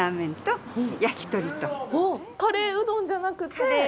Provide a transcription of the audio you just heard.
カレーうどんじゃなくて。